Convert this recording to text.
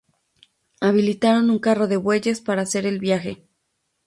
Habilitaron un carro de bueyes, para hacer el viaje.